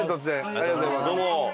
ありがとうございます。